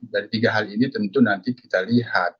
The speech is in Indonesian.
dari tiga hal ini tentu nanti kita lihat